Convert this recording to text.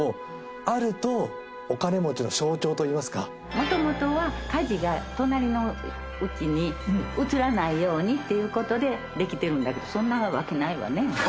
もともとは火事が隣の家に移らないようにっていうことでできてるんだけどそんなわけないわね。